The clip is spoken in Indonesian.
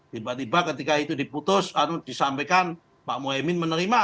tiba tiba ketika itu diputus disampaikan pak mohaimin menerima